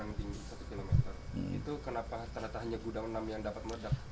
itu kenapa hanya gudang enam yang dapat meledak